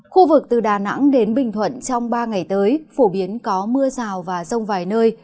khu vực từ đà nẵng đến bình thuận trong ba ngày tới phổ biến có mưa rào và rông vài nơi